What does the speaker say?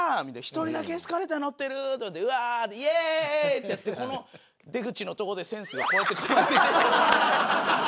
１人だけエスカレーター乗ってるとかってうわイエーイ！ってやってこの出口のとこで先生がこうやって構えてて。